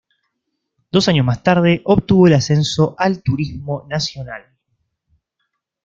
Dos años más tarde obtuvo el ascenso al Turismo Nacional.